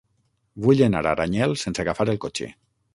Vull anar a Aranyel sense agafar el cotxe.